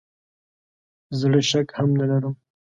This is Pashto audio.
زره شک هم نه لرم .